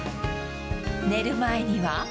寝る前には。